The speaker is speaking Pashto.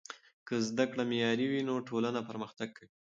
که زده کړه معیاري وي نو ټولنه پرمختګ کوي.